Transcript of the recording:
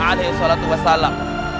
alayhi salatu wasalam